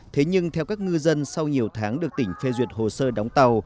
thế nhưng theo các ngư dân sau nhiều tháng được tỉnh phê duyệt hồ sơ đóng tàu